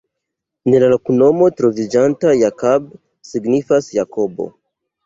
En la loknomo troviĝanta "Jakab" signifas: Jakobo.